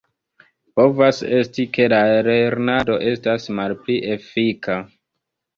Povas esti, ke la lernado estas malpli efika.